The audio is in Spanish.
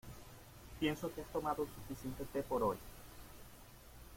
Pienso que has tomado suficiente té por hoy.